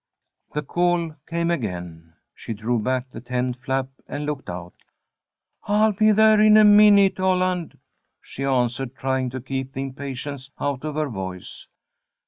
The call came again. She drew back the tent flap and looked out. "I'll be there in a minute, Holland," she answered, trying to keep the impatience out of her voice.